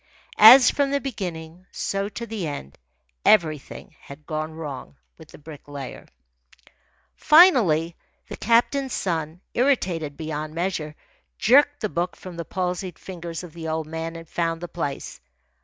As from the beginning, so to the end, everything had gone wrong with the Bricklayer. Finally, the captain's son, irritated beyond measure, jerked the book from the palsied fingers of the old man and found the place.